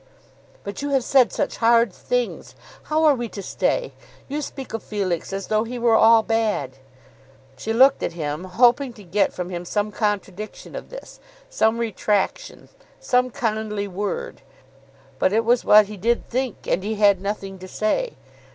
"But you have said such hard things! How are we to stay? You speak of Felix as though he were all bad." She looked at him hoping to get from him some contradiction of this, some retractation, some kindly word; but it was what he did think, and he had nothing to say.